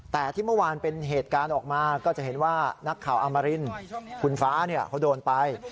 แต่ที่เมื่อวานเป็นเหตุการณ์ออกมาก็จะเห็นว่านักข่าวอมรินคุณฟ้าเขาโดนไป